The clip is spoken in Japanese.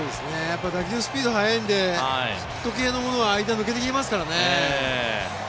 打球スピードが速いのでヒット系のものは間を抜けてきますからね。